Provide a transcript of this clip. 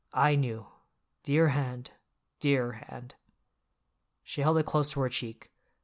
I knew! Dear hand, dear hand!" She held it close to her cheek.